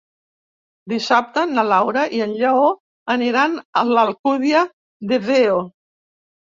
Dissabte na Laura i en Lleó aniran a l'Alcúdia de Veo.